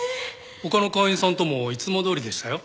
他の会員さんともいつもどおりでしたよ。